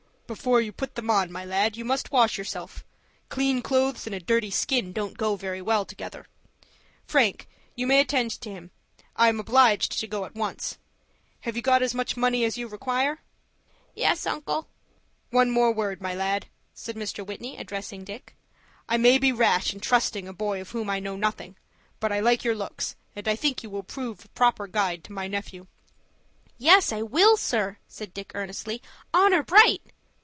"Before you put them on, my lad, you must wash yourself. Clean clothes and a dirty skin don't go very well together. Frank, you may attend to him. I am obliged to go at once. Have you got as much money as you require?" "Yes, uncle." "One more word, my lad," said Mr. Whitney, addressing Dick; "I may be rash in trusting a boy of whom I know nothing, but I like your looks, and I think you will prove a proper guide for my nephew." "Yes, I will, sir," said Dick, earnestly. "Honor bright!"